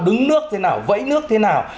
đứng nước thế nào vẫy nước thế nào